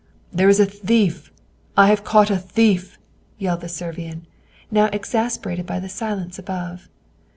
"There is a thief here! I have caught a thief!" yelled the Servian, now exasperated by the silence above.